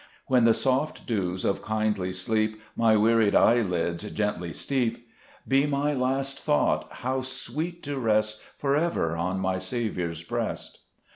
2 When the soft dews of kindly sleep My wearied eyelids gently steep, Be my last thought, how sweet to rest For ever on my Saviour's breast.